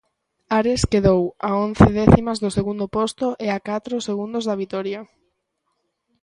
Ares quedou a once décimas do segundo posto e a catro segundos da vitoria.